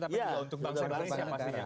tapi juga untuk bangsa indonesia pastinya